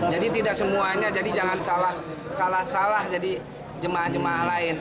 jadi tidak semuanya jadi jangan salah salah jadi jemaah jemaah lain